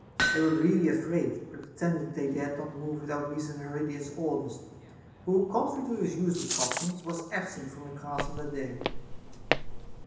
They were really afraid, but pretended they dared not move without Lysanoridas's or ders, who, contrary to his usual custom, was absent from the castle that day.